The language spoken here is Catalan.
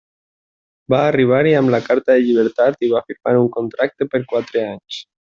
Va arribar-hi amb la carta de llibertat i va firmar un contracte per quatre anys.